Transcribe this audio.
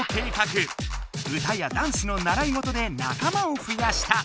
歌やダンスの習い事で仲間を増やした。